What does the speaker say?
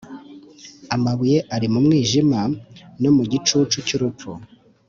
amabuye ari mu mwijima no mu gicucu cy urupfu